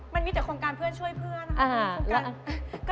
มันมีแต่โครงการเพื่อนช่วยเพื่อนนะคะ